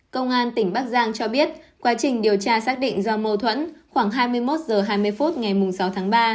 công an tỉnh bắc giang cho biết quá trình điều tra xác định do mâu thuẫn khoảng hai mươi một h hai mươi phút ngày sáu tháng ba